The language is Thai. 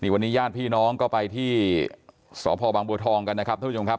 วันนี้ญาติพี่น้องก็ไปที่สพบังบัวทองกันนะครับ